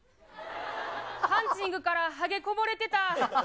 ハンチングからはげこぼれてた。